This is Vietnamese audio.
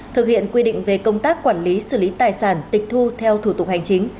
thực hiện quy định về công tác quản lý xử lý tài sản tịch thu theo thủ tục hành chính